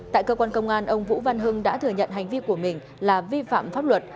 tại cơ quan công an ông vũ văn hưng đã thừa nhận hành vi của mình là vi phạm pháp luật